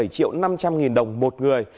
bảy triệu năm trăm linh nghìn đồng một người